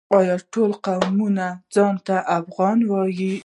آیا ټول قومونه ځان ته افغان وايي؟